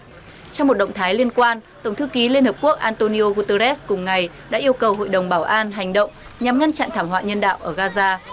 trong một động thái liên quan tổng thư ký liên hợp quốc antonio guterres cùng ngày đã yêu cầu hội đồng bảo an hành động nhằm ngăn chặn thảm họa nhân đạo ở gaza